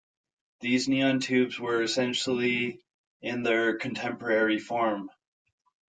These neon tubes were essentially in their contemporary form.